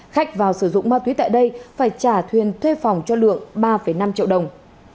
khách vào sử dụng ma túy tại đây phải trả thuyền thuê phòng cho lượng ba năm triệu đồng